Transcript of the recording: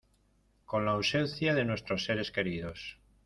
con la ausencia de nuestros seres queridos